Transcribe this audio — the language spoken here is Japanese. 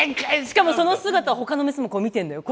しかもその姿ほかのメスも見てんだよ